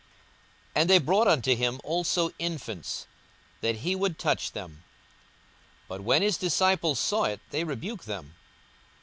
42:018:015 And they brought unto him also infants, that he would touch them: but when his disciples saw it, they rebuked them.